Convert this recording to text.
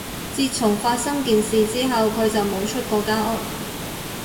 自從發生件事之後，佢就冇出過間屋